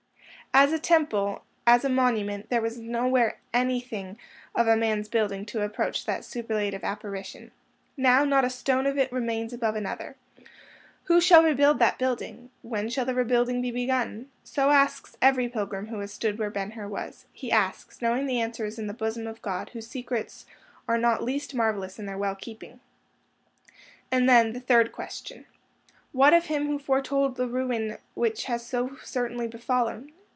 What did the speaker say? As a temple, as a monument, there was nowhere anything of man's building to approach that superlative apparition. Now, not a stone of it remains above another. Who shall rebuild that building? When shall the rebuilding be begun? So asks every pilgrim who has stood where Ben Hur was—he asks, knowing the answer is in the bosom of God, whose secrets are not least marvellous in their well keeping. And then the third question, What of him who foretold the ruin which has so certainly befallen?